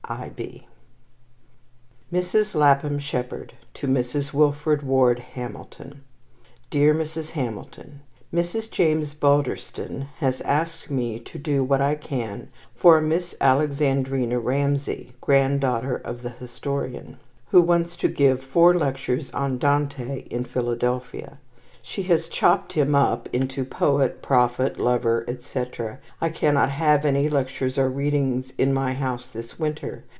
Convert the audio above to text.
I. B. Mrs. Lapham Shepherd to Mrs. Wilfred Ward Hamilton DEAR MRS. HAMILTON, Mrs. James Balderston has asked me to do what I can for a Miss Alexandrina Ramsay (granddaughter of the historian), who wants to give four lectures on Dante in Philadelphia. She has chopped him up into poet, prophet, lover, etc. I cannot have any lectures or readings in my house this winter.